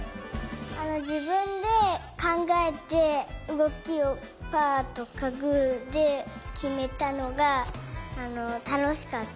じぶんでかんがえてうごきをパーとかグーできめたのがたのしかった。